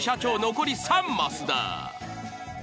残り３マスだ。